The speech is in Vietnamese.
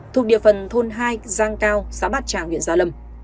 thuộc địa phần thôn hai giang cao xã bát tràng huyện gia lâm